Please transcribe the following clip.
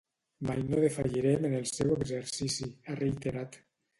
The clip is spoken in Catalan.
Mai no defallirem en el seu exercici, ha reiterat.